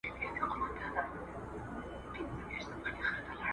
ګړی وروسته به په دام کی وې لوېدلي ..